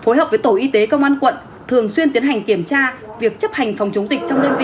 phối hợp với tổ y tế công an quận thường xuyên tiến hành kiểm tra việc chấp hành phòng chống dịch trong đơn vị